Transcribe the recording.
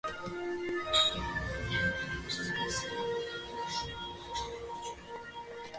ადამიანისთვის საშიში არ არის.